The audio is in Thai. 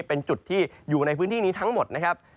เป็นจุดที่อยู่ในพื้นที่นี้ทั้งหมดนะครับ